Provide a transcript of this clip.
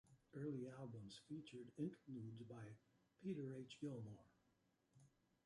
Early albums featured interludes by Peter H. Gilmore.